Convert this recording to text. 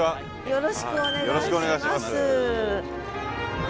よろしくお願いします。